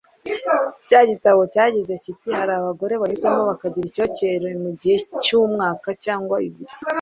Cya gitabo cyagize kiti hari abagore banyuzamo bakagira icyokere mu gihe cy’umwaka cyangwa ibiri